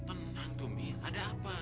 tenang tumi ada apa